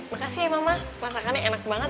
makasih ya mama masakannya enak banget